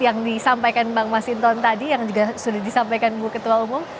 yang disampaikan bang masinton tadi yang juga sudah disampaikan bu ketua umum